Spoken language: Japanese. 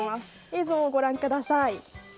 映像をご覧ください。